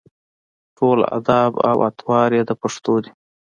ټول اداب او اطوار یې د پښتنو دي.